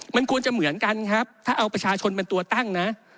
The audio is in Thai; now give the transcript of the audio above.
มันควรจะเหมือนกันครับถ้าเอาประชาชนเป็นตัวตั้งนะ